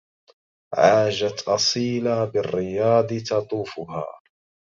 عاجت أصيلا بالرياض تطوفها